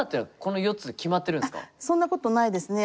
そんなことないですね